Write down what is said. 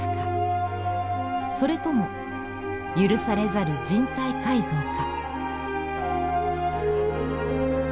それとも許されざる人体改造か。